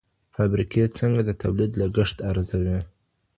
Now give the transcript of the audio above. فابریکې څنګه د تولید لګښت ارزوي؟